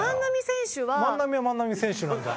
万波は「万波選手」なんだ。